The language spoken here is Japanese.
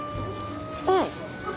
うん。